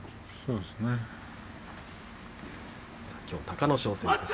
きょうは隆の勝です。